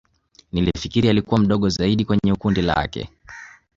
Nilifikiri alikua mdogo zaidi kweye kundi lake